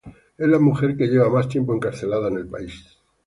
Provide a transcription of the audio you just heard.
Es la mujer que lleva más tiempo encarcelada en el país.